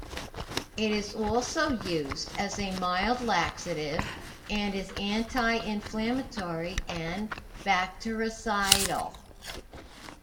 It is also used as a mild laxative and is anti-inflammatory and bactericidal.